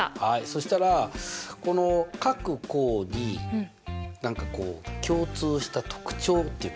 そしたらこの各項に何かこう共通した特徴っていうか。